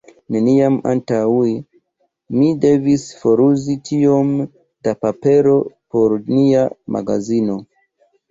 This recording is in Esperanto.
Neniam antaŭe mi devis foruzi tiom da papero por nia magazino.